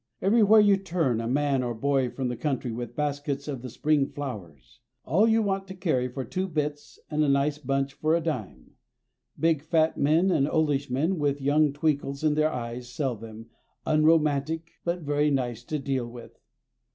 Everywhere you turn a man or boy from the country with baskets of the spring flowers. All you want to carry for two bits and a nice bunch for a dime. Big, fat men and oldish men with young twinkles in their eyes sell them, unromantic, but very nice to deal with.